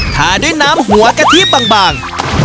ทาด้วยน้ำหัวกะทิบาง